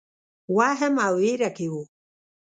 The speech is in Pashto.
وهم او وېره کې وو.